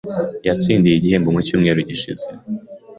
Yatsindiye igihembo mu cyumweru gishize.